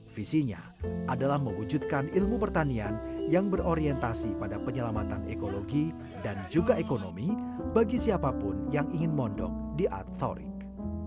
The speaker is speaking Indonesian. visinya adalah mewujudkan ilmu pertanian yang berorientasi pada penyelamatan ekologi dan juga ekonomi bagi siapapun yang ingin mondok di adsorik